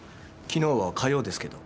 昨日は火曜ですけど。